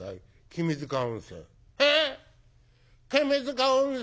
君塚温泉」。